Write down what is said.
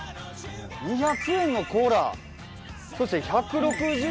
２００円のコーラそして１６０円のお水。